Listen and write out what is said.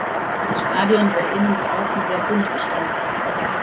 Das Stadion wurde innen wie außen sehr bunt gestaltet.